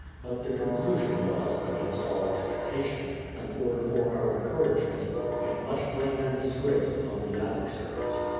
But the conclusion was (against all expectation) an order for our encouragement, and much blame and disgrace upon the adversaries.